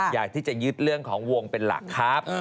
อยากที่จะยึดเรื่องของวงเป็นหลักครับ